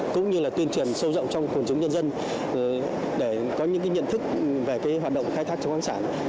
cũng như là tuyên truyền sâu rộng trong khuôn trúng nhân dân để có những nhận thức về hoạt động khai thác trong khoáng sản